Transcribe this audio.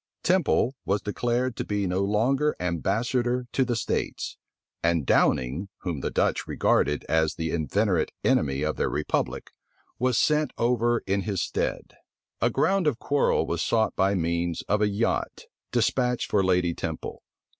Temple was declared to be no longer ambassador to the states, and Downing, whom the Dutch regarded as the inveterate enemy of their republic, was sent over in his stead. A ground of quarrel was sought by means of a yacht, despatched for Lady Temple.